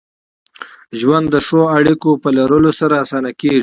ژوند د ښو اړیکو په لرلو سره اسانه کېږي.